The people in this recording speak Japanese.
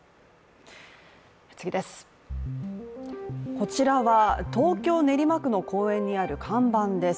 こちらは、東京・練馬区の公園にある看板です。